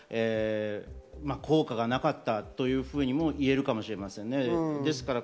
効果がなかったというふうにも言えるかもしれませんね。